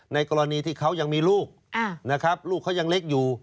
กรณีที่เขายังมีลูกนะครับลูกเขายังเล็กอยู่